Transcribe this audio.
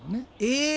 え！